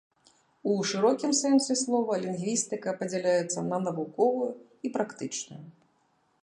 У шырокім сэнсе слова, лінгвістыка падзяляецца на навуковую і практычную.